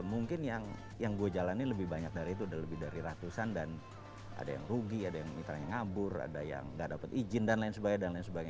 mungkin yang yang gue jalani lebih banyak dari itu lebih dari ratusan dan ada yang rugi ada yang ngabur ada yang ngga dapet izin dan lain sebagainya